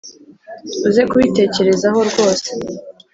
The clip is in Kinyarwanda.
uze kubitekerezaho rwose